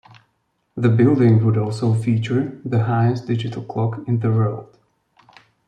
The building would also feature the highest digital clock in the world.